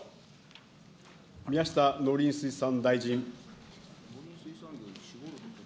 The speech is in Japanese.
宮下農林水産大臣。